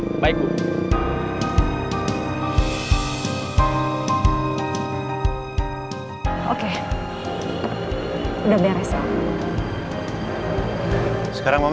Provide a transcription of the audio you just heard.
sampai jumpa di video selanjutnya